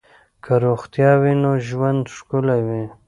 که روغتیا وي نو ژوند ښکلی وي.